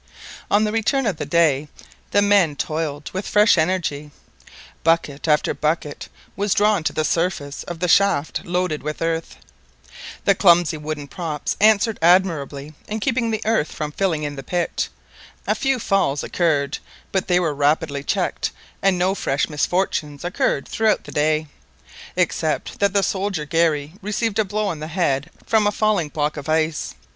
On the return of day the men toiled with fresh energy, bucket after bucket was drawn to the surface of the shaft loaded with earth. The clumsy wooden props answered admirably in keeping the earth from filling in the pit, a few falls occurred, but they were rapidly checked, and no fresh misfortunes occurred throughout the day, except that the soldier Garry received a blow on the head from a falling block of ice.